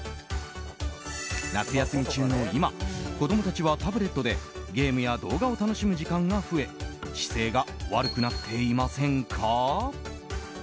夏休み中の今子供たちはタブレットでゲームや動画を楽しむ時間が増え姿勢が悪くなっていませんか？